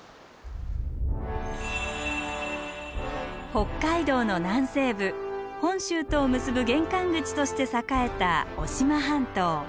北海道の南西部本州とを結ぶ玄関口として栄えた渡島半島。